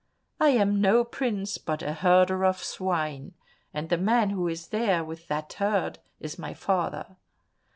I am no prince, but a herder of swine, and the man who is there with that herd, is my father.